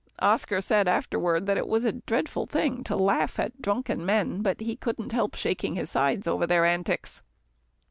Oscar said afterward that it was a dreadful thing to laugh at drunken men, but he couldn't help shaking his sides over their antics.